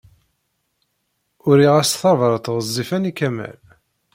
Uriɣ-as tabṛat ɣezzifen i Kamal.